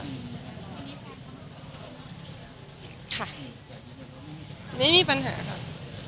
ค่ะไม่มีปัญหาครับ